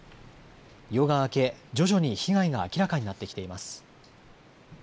夜が明け、徐々に被害が明らかになってきています。